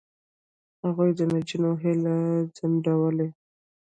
هغوی د نجونو هیلې ځنډولې.